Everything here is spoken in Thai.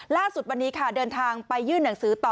ล่าสุดวันนี้ค่ะเดินทางไปยื่นหนังสือต่อ